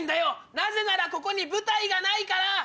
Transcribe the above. なぜならここに舞台がないから！